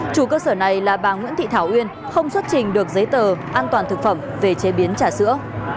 chủ cơ sở này là bà nguyễn thị thảo uyên không xuất trình được giấy tờ an toàn thực phẩm về chế biến trà sữa